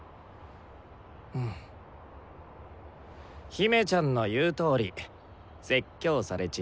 姫ちゃんの言うとおり説教されちった。